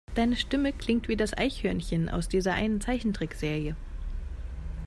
Deine Stimme klingt wie das Eichhörnchen aus dieser einen Zeichentrickserie.